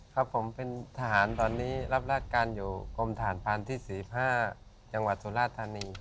ครับผมเป็นทหารตอนนี้รับราชการอยู่กรมฐานพานที่๔๕จังหวัดสุราธานี